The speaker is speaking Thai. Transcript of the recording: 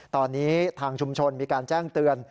ตอนนี้ทางชุมชนมีการแจ้งเตือน